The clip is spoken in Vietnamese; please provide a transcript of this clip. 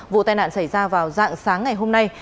vụ tai nạn xảy ra vào dạng sáng ngày hôm nay